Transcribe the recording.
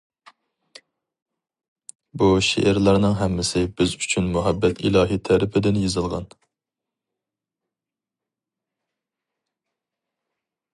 بۇ شېئىرلارنىڭ ھەممىسى بىز ئۈچۈن مۇھەببەت ئىلاھى تەرىپىدىن يېزىلغان.